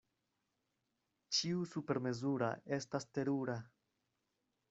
Ĉio supermezura estas terura.